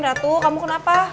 ratu kamu kenapa